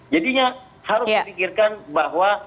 jadinya harus dipikirkan bahwa